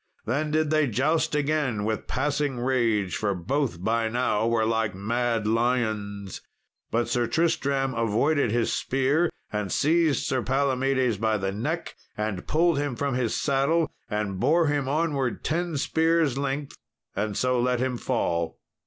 Then did they joust again with passing rage, for both by now were like mad lions. But Sir Tristram avoided his spear, and seized Sir Palomedes by the neck, and pulled him from his saddle, and bore him onward ten spears' length, and so let him fall.